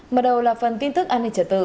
mở đầu là phần tin tức an ninh trật tự